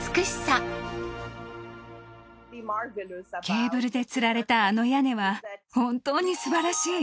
ケーブルで吊られたあの屋根は本当に素晴らしい。